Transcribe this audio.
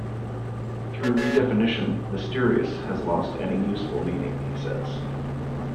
Through redefinition "mysterious" has lost any useful meaning, he says.